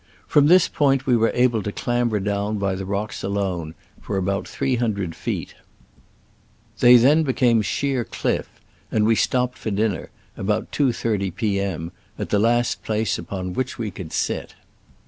From this point we were able to clamber down by the rocks alone for about three hundred feet. They then became sheer cliff, and we stopped for dinner, about 2.30 p. M., at the last place upon which we could sit.